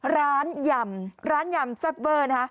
ยำร้านยำแซ่บเวอร์นะฮะ